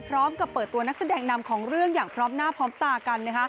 พร้อมกับเปิดตัวนักแสดงนำของเรื่องอย่างพร้อมหน้าพร้อมตากัน